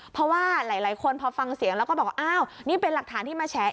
เพราะว่าหลายคนพอฟังเสียงแล้วก็บอกว่าอ้าวนี่เป็นหลักฐานที่มาแฉะ